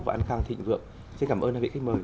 và an khang thịnh vượng xin cảm ơn hai vị khách mời